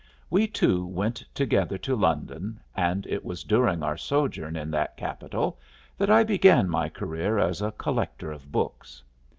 We two went together to London, and it was during our sojourn in that capital that I began my career as a collector of books.